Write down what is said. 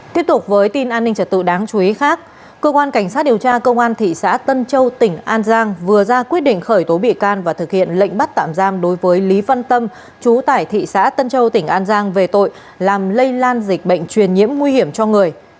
tiếp tục với tin an ninh trật tự đáng chú ý khác cơ quan cảnh sát điều tra công an thị xã tân châu tỉnh an giang vừa ra quyết định khởi tố bị can và thực hiện lệnh bắt tạm giam đối với lý văn tâm chú tại thị xã tân châu tỉnh an giang về tội làm lây lan dịch bệnh truyền nhiễm nguy hiểm cho người